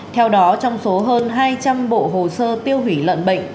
theo đó trong số hơn hai trăm linh bộ hồ sơ tiêu hủy lợn bệnh